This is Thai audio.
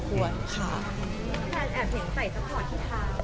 แฟนแอบเห็นใส่ซัพพอร์ตที่เท้า